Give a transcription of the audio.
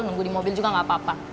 nunggu di mobil juga nggak apa apa